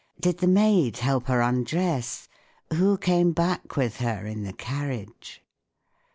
Did the maid help her undress? Who came back with her in the carriage